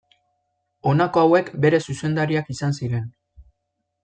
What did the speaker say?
Honako hauek bere zuzendariak izan ziren.